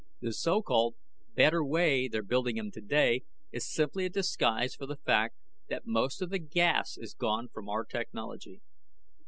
The so called 'better way' they're building 'em today is simply a disguise for the fact that most of the gas is gone from our technology."